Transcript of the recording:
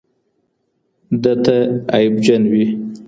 ده ته عیبجن وي